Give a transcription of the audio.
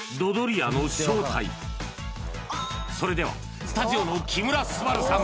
それではスタジオの木村昴さん